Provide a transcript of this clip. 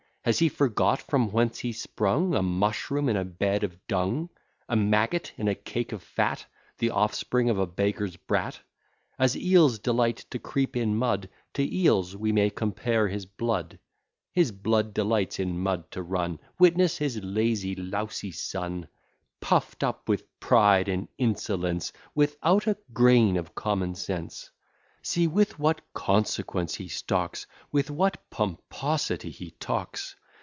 Has he forgot from whence he sprung? A mushroom in a bed of dung; A maggot in a cake of fat, The offspring of a beggar's brat; As eels delight to creep in mud, To eels we may compare his blood; His blood delights in mud to run, Witness his lazy, lousy son! Puff'd up with pride and insolence, Without a grain of common sense. See with what consequence he stalks! With what pomposity he talks!